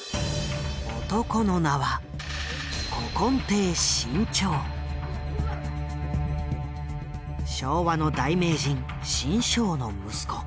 男の名は昭和の大名人志ん生の息子。